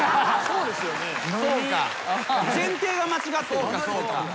前提が間違ってるんです。